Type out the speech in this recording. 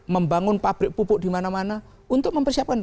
membangun pabrik pupuk di mana mana untuk mempersiapkan